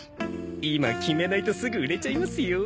今決めないとすぐ売れちゃいますよ。